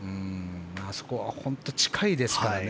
あそこは本当に近いですからね。